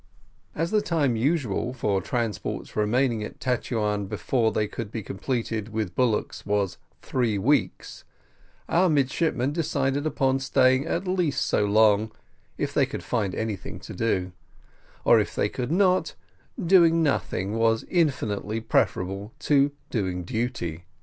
As the time usual for transports remaining at Tetuan before they could be completed with bullocks was three weeks, our midshipmen decided upon staying at least so long if they could find anything to do, or if they could not, doing nothing was infinitely preferable to doing duty.